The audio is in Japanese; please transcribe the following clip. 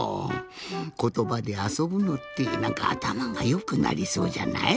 ことばであそぶのってなんかあたまがよくなりそうじゃない？